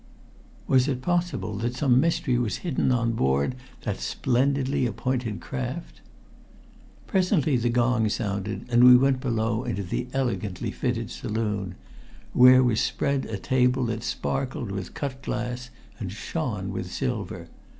Was it possible that some mystery was hidden on board that splendidly appointed craft? Presently the gong sounded, and we went below into the elegantly fitted saloon, where was spread a table that sparkled with cut glass and shone with silver.